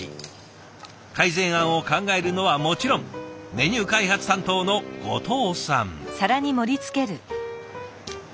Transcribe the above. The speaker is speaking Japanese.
改善案を考えるのはもちろんメニュー開発担当の後藤さん。